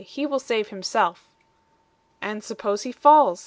He will save himself!" "And suppose he falls?"